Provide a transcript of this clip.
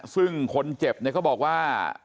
ซึ่งคนเจ็บเนี่ยเขาบอกว่า